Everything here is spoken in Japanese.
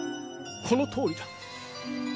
このとおりだ。